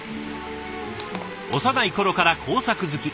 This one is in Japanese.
幼い頃から工作好き。